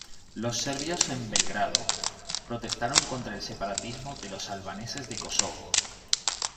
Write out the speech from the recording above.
Los serbios en Belgrado protestaron contra el separatismo de los albaneses de Kosovo.